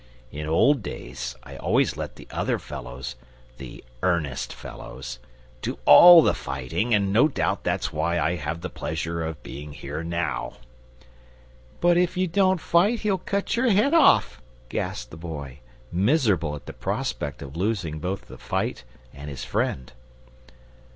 In old days I always let the other fellows the EARNEST fellows do all the fighting, and no doubt that's why I have the pleasure of being here now." "But if you don't fight he'll cut your head off!" gasped the Boy, miserable at the prospect of losing both his fight and his friend.